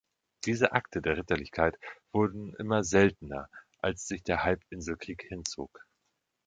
Diese Akte der Ritterlichkeit wurden immer seltener, als sich der Halbinselkrieg hinzog.